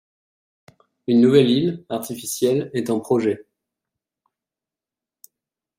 Une nouvelle île, artificielle, est en projet.